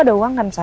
lo ada uang kan sa